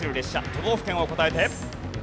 都道府県を答えて。